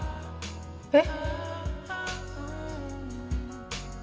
えっ？